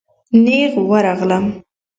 نېغ ورغلم.